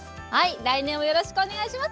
来年もよろしくお願いします。